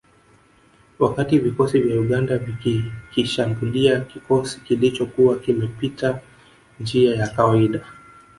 Wakati vikosi vya Uganda vikikishambulia kikosi kilichokuwa kimepita njia ya kawaida